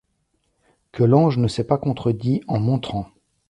Que l’ange ne s’est pas contredit en montrant